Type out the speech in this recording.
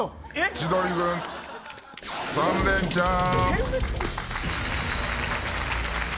千鳥軍、３レンチャン。